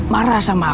marah sama abang